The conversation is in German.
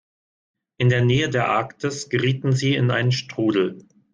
In der Nähe der Arktis gerieten sie in einen Strudel.